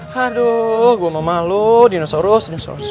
haduh gue mau malu dinosaurus disoros